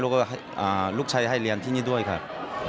แล้วก็ลูกชายให้เรียนที่นี่ด้วยครับ